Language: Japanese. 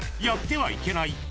やってはいけない？］